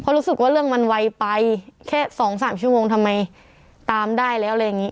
รู้สึกว่าเรื่องมันไวไปแค่สองสามชั่วโมงทำไมตามได้แล้วอะไรอย่างนี้